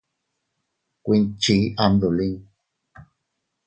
Kuinchi am dolin.